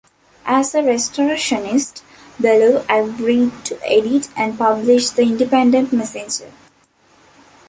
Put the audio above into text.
As a Restorationist, Ballou agreed to edit and publish the "Independent Messenger".